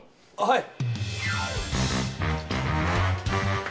はい。